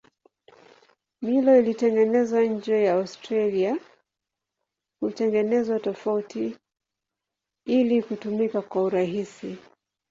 Milo iliyotengenezwa nje ya Australia hutengenezwa tofauti ili kutumika kwa urahisi.